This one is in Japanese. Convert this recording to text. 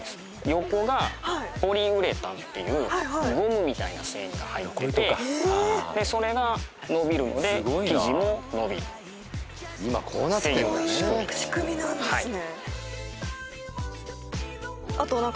横がポリウレタンっていうゴムみたいな繊維が入っててそれが伸びるので生地も伸びるそういう仕組みなんですね